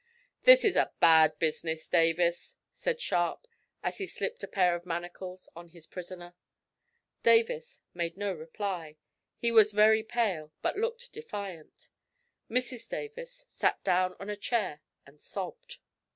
"This is a bad business, Davis," said Sharp, as he slipped a pair of manacles on his prisoner. Davis made no reply. He was very pale, but looked defiant. Mrs Davis sat down on a chair and sobbed.